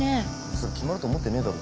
それ決まると思ってねえだろ。